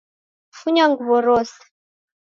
Funya nguw'o rose.